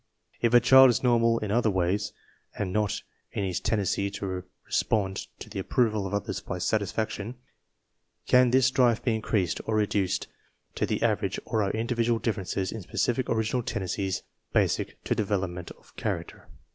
If a child is normal in other ways and not in his tendency to respond to the approval of others by satisfaction, can this drive be increased or reduced to the average or are individual differences in specific original tendencies THE CONSERVATION OF TALENT 77 basi c to developmenjLirf chgracter?